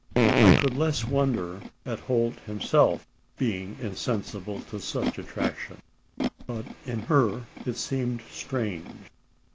I could less wonder at Holt himself being insensible to such attraction; but in her it seemed strange.